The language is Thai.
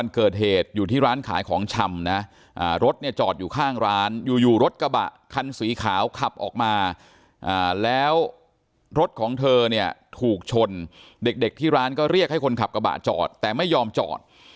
เราพบร้านอยู่รถกระบะคันสีขาวขับออกมาแล้วรถของเธอเนี่ยถูกชนเด็กที่ร้านก็เรียกให้คนขับกระบะจอดแต่ไม่ยอมจอด